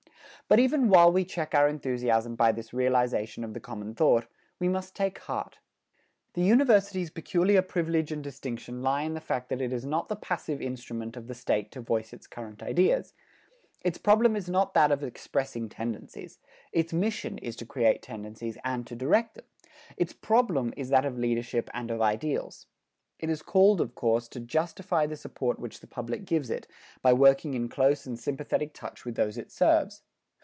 But even while we check our enthusiasm by this realization of the common thought, we must take heart. The University's peculiar privilege and distinction lie in the fact that it is not the passive instrument of the State to voice its current ideas. Its problem is not that of expressing tendencies. Its mission is to create tendencies and to direct them. Its problem is that of leadership and of ideals. It is called, of course, to justify the support which the public gives it, by working in close and sympathetic touch with those it serves.